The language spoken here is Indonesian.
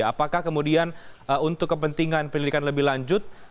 apakah kemudian untuk kepentingan pendidikan lebih lanjut